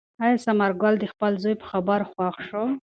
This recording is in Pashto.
آیا ثمر ګل د خپل زوی په خبرو خوښ شو؟